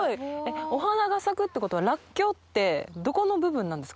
お花が咲くってことはラッキョウってどこの部分なんですか？